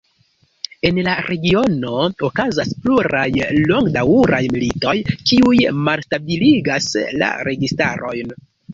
En la regiono okazas pluraj longdaŭraj militoj, kiuj malstabiligas la registarojn.